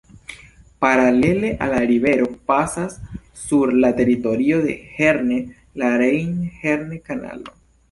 Paralele al la rivero pasas sur la teritorio de Herne la Rejn-Herne-Kanalo.